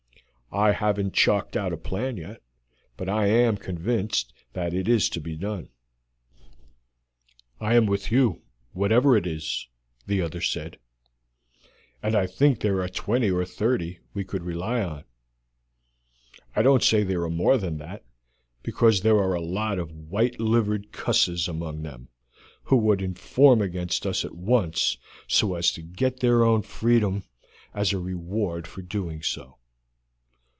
I haven't chalked out a plan yet, but I am convinced that it is to be done." "I am with you, whatever it is," the other said; "and I think there are twenty or thirty we could rely on. I don't say there are more than that, because there are a lot of white livered cusses among them who would inform against us at once, so as to get their own freedom as a reward for doing so.